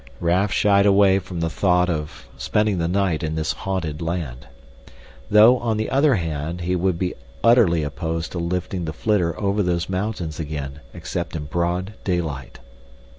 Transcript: Raf shied away from the thought of spending the night in this haunted land. Though, on the other hand, he would be utterly opposed to lifting the flitter over those mountains again except in broad daylight.